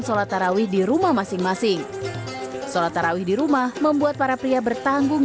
sholat tarawih di rumah masing masing sholat tarawih di rumah membuat para pria bertanggung